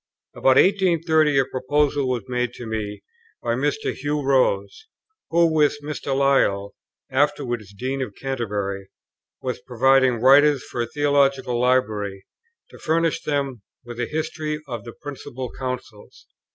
About 1830 a proposal was made to me by Mr. Hugh Rose, who with Mr. Lyall (afterwards Dean of Canterbury) was providing writers for a Theological Library, to furnish them with a History of the Principal Councils.